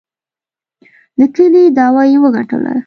د کلي دعوه یې وګټله.